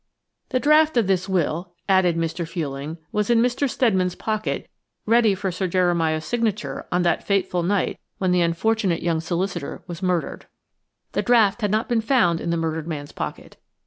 The draft of this will, added Mr. Fuelling, was in Mr. Steadman's pocket ready for Sir Jeremiah's signature on that fateful night when the unfortunate young solicitor was murdered. The draft had not been found in the murdered man's pocket.